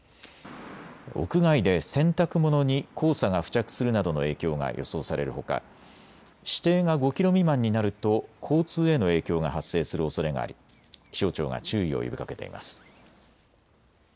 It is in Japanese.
屋外で洗濯物に黄砂が付着するなどの影響が予想されるほか視程が５キロ未満になると交通への影響が発生するおそれがあり気象庁が注意を呼びかけています。